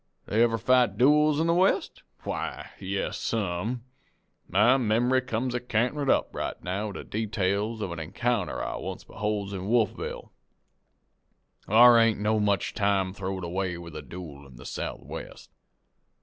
"Do they ever fight dooels in the West? Why, yes some. My mem'ry comes a canterin' up right now with the details of an encounter I once beholds in Wolfville. Thar ain't no time much throwed away with a dooel in the Southwest.